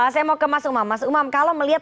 saya mau ke mas umam mas umam kalau melihat